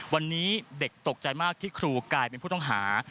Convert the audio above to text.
วันนี้เด็กตกใจมากที่ครูกลายเป็นผู้ต้องหา